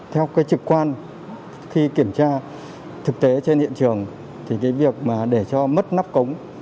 theo trực quan khi kiểm tra thực tế trên hiện trường thì việc để cho mất nắp cống